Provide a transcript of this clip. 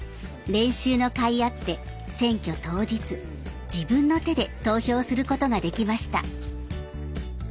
練習のかいあって選挙当日自分の手で投票することができました。